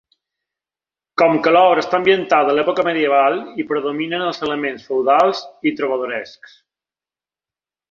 Com que l'obra està ambientada a l'època medieval, hi predominen els elements feudals i trobadorescs.